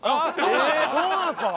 えそうなんですか！？